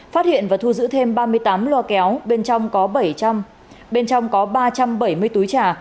phát hiện và thu giữ thêm ba mươi tám loa kéo bên trong có ba trăm bảy mươi túi trà